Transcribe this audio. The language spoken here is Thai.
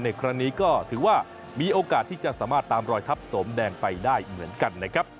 ในครั้งนี้ก็ถือว่ามีโอกาสที่จะสามารถตามรอยทัพสมแดงไปได้เหมือนกันนะครับ